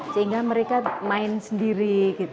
sehingga mereka main sendiri